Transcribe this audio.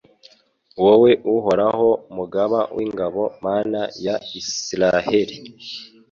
wowe Uhoraho Mugaba w’ingabo Mana ya Israheli